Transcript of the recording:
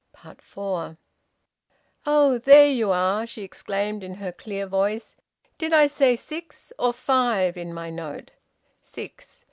FOUR. "Oh! There you are!" she exclaimed, in her clear voice. "Did I say six, or five, in my note?" "Six."